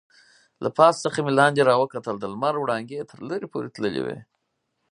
له پاس څخه مې لاندې راوکتل، د لمر وړانګې تر لرې پورې تللې وې.